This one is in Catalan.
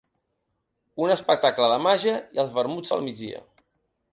Un espectacle de màgia i els vermuts del migdia.